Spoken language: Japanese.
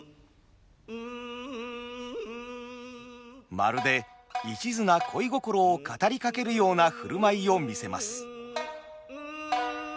まるで一途な恋心を語りかけるような振る舞いを見せます。